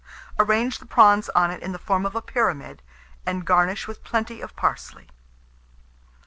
Arrange the prawns on it in the form of a pyramid, and garnish with plenty of parsley.